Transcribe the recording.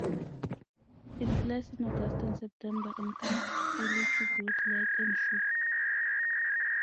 It flies in August and September, and comes freely to both light and sugar.